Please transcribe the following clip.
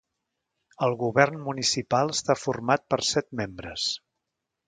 El govern municipal està format per set membres.